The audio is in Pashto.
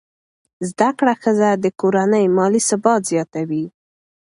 زده کړه ښځه د کورنۍ مالي ثبات زیاتوي.